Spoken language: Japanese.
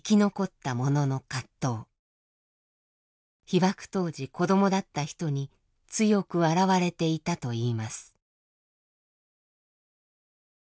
被爆当時子どもだった人に強く現れていたといいます。